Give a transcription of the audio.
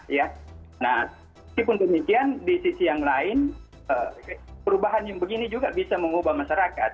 nah meskipun demikian di sisi yang lain perubahan yang begini juga bisa mengubah masyarakat